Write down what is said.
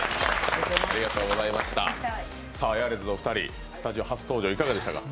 ヤーレンズのお二人、スタジオ初登場いかがでした？